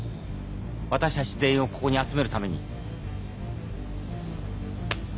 私たち全員をここに集めるために。